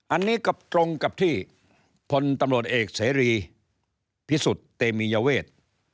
อันนี้ก็ตรงกับที่พลตำรวจเอกเสรีพิสุทธิ์เตมียเวท